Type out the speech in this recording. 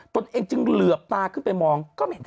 ตนเองจึงเหลือบตาขึ้นไปมอง